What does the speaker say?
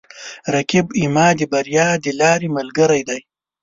رقیب زما د بریا د لارې ملګری دی